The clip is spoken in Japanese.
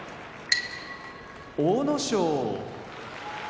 阿武咲